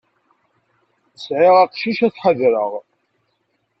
Sɛiɣ aqcic ad t-ḥadreɣ.